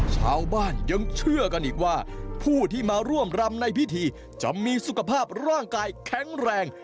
ชาวบ้านยังเชื่อกันอีกว่าผู้ที่มาร่วมรำในพิธีจะมีสุขภาพร่างกายแข็งแรง